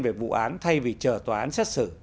về vụ án thay vì chờ tòa án xét xử